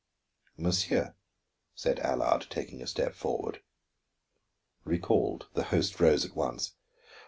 "Monsieur," said Allard, taking a step forward. Recalled, the host rose at once.